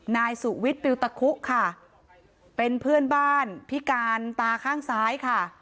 นายสุวิทย์ปิวตะคุค่ะเป็นเพื่อนบ้านพิการตาข้างซ้ายค่ะ